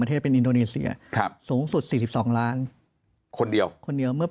ประเทศเป็นอินโดนีเซียครับสูงสุด๔๒ล้านคนเดียวคนเดียวเมื่อ